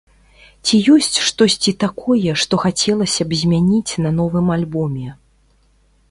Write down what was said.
Ці ёсць штосьці такое, што хацелася б змяніць на новым альбоме?